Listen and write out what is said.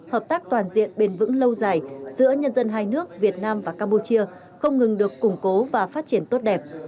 hợp tác toàn diện bền vững lâu dài giữa nhân dân hai nước việt nam và campuchia không ngừng được củng cố và phát triển tốt đẹp